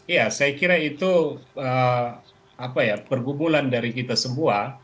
ya saya kira itu pergumulan dari kita semua